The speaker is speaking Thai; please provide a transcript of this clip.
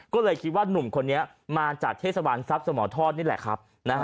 ก็เลยคิดว่านุ่มคนเนี้ยมาจากเทศบันนรสมทรนี่แหละครับ